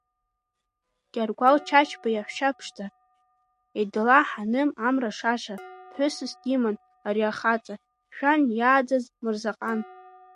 Гьаргәал Чачба иаҳәшьа ԥшӡа, едла-Ҳаным, амра шаша, ԥҳәысыс диман ари ахаҵа, Шәан иааӡаз Мырзаҟан.